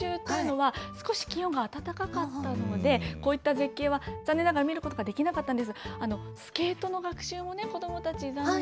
ただ、私が行った先週というのは、少し気温が暖かかったので、こういった絶景は残念ながら見ることができなかったんです。